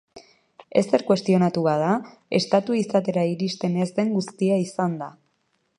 Ezer kuestionatu bada, estatu izatera iristen ez den guztia izan da.